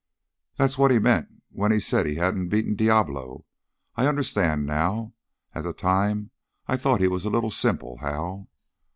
"That's what he meant when he said he hadn't beaten Diablo. I understand now. At the time I thought he was a little simple, Hal."